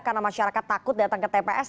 karena masyarakat takut datang ke tps